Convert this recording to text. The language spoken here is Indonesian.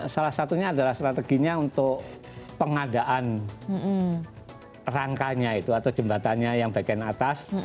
salah satunya adalah strateginya untuk pengadaan rangkanya itu atau jembatannya yang bagian atas